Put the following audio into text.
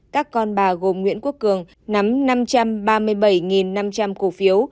các con bà gồm nguyễn quốc cường nắm năm trăm ba mươi bảy năm trăm linh cổ phiếu